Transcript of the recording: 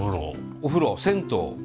お風呂銭湯。